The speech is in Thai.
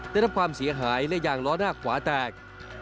ได้รับความเสียหายและยางล้อหน้าขวาแตก